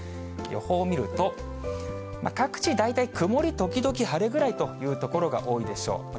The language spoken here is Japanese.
予報を見ると、各地、大体曇り時々晴れぐらいという所が多いでしょう。